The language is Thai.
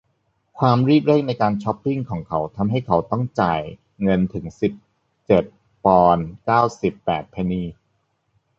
ความรีบเร่งในการช็อปปิ้งของเขาทำให้เขาต้องจ่ายเงินถึงสิบเจ็ดปอนด์เก้าสิบแปดเพนนี